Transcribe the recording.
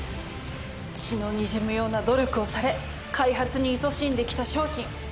血のにじむような努力をされ開発にいそしんできた商品。